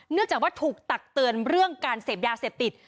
จากว่าถูกตักเตือนเรื่องการเสพยาเสพติด